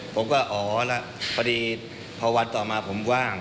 พอดีพอวันต่อมาผมว่าง